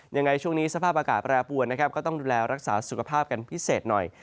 ยังไงช่วงนี้สภาพอากาศแปรปวนนะครับก็ต้องดูแลรักษาสุขภาพกันพิเศษหน่อย